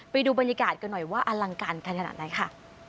ไปดูบรรยากาศกันหน่อยว่าอลังการกันขนาดไหนค่ะ